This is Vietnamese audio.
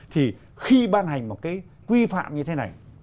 thì khi ban hành một cái quy phạm như thế này